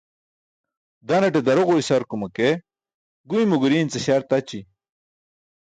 Daanaṭe daroġo isarkuma ke guymo guriin ce śar taći.